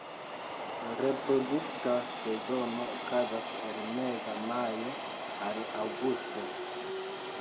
Reprodukta sezono okazas el meza majo al aŭgusto.